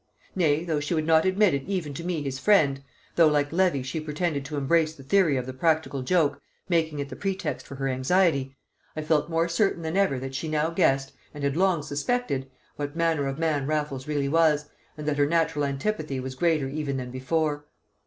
Nay, though she would not admit it even to me his friend, though like Levy she pretended to embrace the theory of the practical joke, making it the pretext for her anxiety, I felt more certain than ever that she now guessed, and had long suspected, what manner of man Raffles really was, and that her natural antipathy was greater even than before.